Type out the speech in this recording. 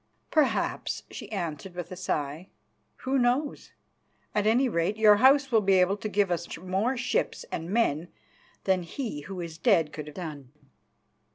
"Perhaps," she answered with a sigh. "Who knows? At any rate, your House will be able to give us more ships and men than he who is dead could have done."